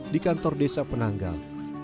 di kantor desa penanggal